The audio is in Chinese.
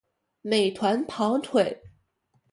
美团跑腿